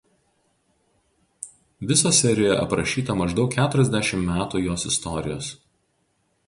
Viso serijoje aprašyta maždaug keturiasdešimt metų jos istorijos.